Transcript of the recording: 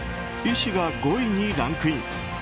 医師が５位にランクイン。